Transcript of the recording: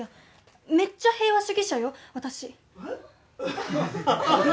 めっちゃ平和主義者よ私。